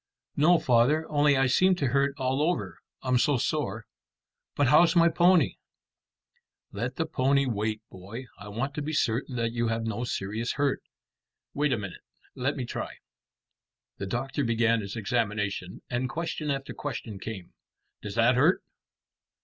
"No, father, only I seem to hurt all over, I'm so sore. But how's my pony?" "Let the pony wait, boy. I want to be certain that you have no serious hurt. Wait a minute. Let me try." The doctor began his examination, and question after question came. "Does that hurt?